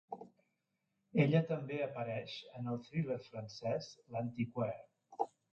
Ella també apareix en el thriller francès "L'Antiquaire".